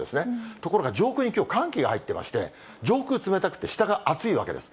ところが上空にきょう、寒気が入ってまして、上空冷たくて、下が暑いわけです。